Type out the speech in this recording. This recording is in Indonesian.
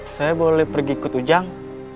saya boleh pergi ikut ujang